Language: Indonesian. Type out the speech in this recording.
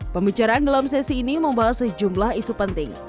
pembicaraan dalam sesi ini membahas sejumlah isu penting